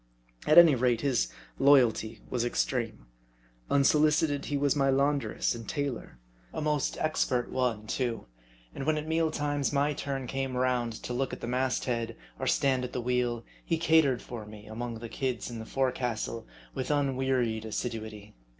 At any rate, his loyalty was extreme. Unsolicited, he was my laundress and tailor ; a most expert one, too ; and when at meal times my turn came round to look out at the mast head, or stand at the wheel, he catered for me among the "kids" in the forecastle with unwearied assiduity.